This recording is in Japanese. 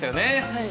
はい。